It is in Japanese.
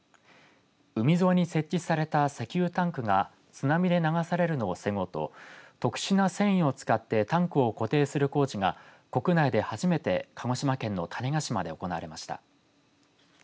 海沿いに設置された石油タンクが津波で流されるのを防ごうと特殊な繊維を使ってタンクを固定する工事が国内で初めて鹿児島県の種子島で行われました。